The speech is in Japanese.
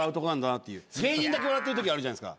芸人だけ笑ってるときあるじゃないですか。